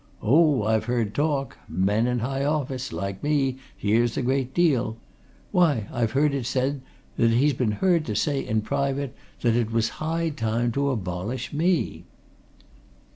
Oh, I've heard talk men in high office, like me, hears a deal. Why, I've heard it said that he's been heard to say, in private, that it was high time to abolish me!"